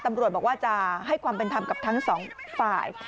ตำรวจบอกว่าจะให้ความเป็นธรรมกับทั้งสองฝ่าย